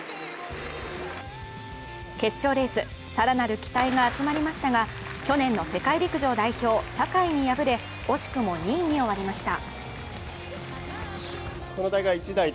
決勝レース、更なる期待が集まりましたが去年の世界陸上代表、坂井に破れ惜しくも２位に終わりました。